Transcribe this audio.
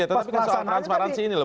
ya tapi soal transparansi ini loh